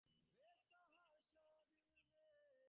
যাঁহাতক বাহান্ন তাঁহাতক তিপ্পান্ন।